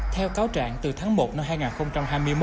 theo cáo trạng từ tháng một năm hai nghìn hai mươi một